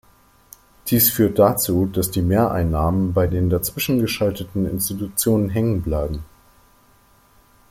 Dies führt dazu, dass die Mehreinnahmen bei den dazwischengeschalteten Institutionen hängen bleiben.